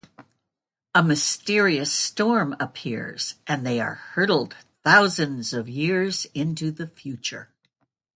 A mysterious storm appears and they are hurtled thousands of years into the future.